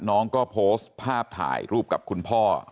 น้องก็โพสต์ภาพถ่ายรูปกับคุณพ่อ